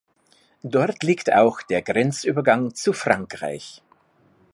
Dort liegt auch der Grenzübergang zu Frankreich.